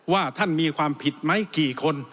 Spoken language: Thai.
ว่าท่านมีความผิดไหมกี่คน